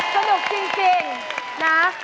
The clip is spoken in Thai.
สนุกจริงนะ